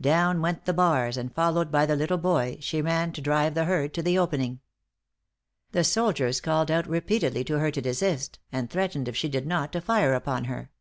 Down went the bars, and followed by the little boy, she ran to drive the herd to the opening. The soldiers called out repeatedly to her to desist, and threatened, if she did not, to fire upon her.